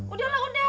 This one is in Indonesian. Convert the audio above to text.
udah lah udah